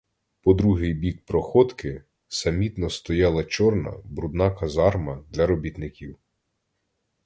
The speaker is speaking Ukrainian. По другий бік проходки самітно стояла чорна, брудна казарма для робітників.